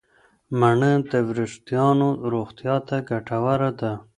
مڼه د وریښتانو روغتیا ته ګټوره ده.